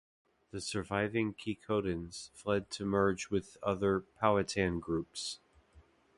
The surviving Kecoughtans fled to merge with other Powhatan groups.